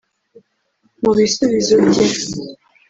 Mu bisubizo bye